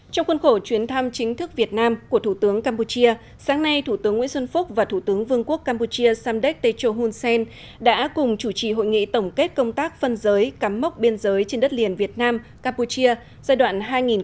trong khuôn khổ chuyến thăm chính thức việt nam của thủ tướng campuchia sáng nay thủ tướng nguyễn xuân phúc và thủ tướng vương quốc campuchia samdek techo hun sen đã cùng chủ trì hội nghị tổng kết công tác phân giới cắm mốc biên giới trên đất liền việt nam campuchia giai đoạn hai nghìn một mươi sáu hai nghìn một mươi tám